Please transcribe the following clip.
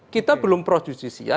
kita belum prosesis ya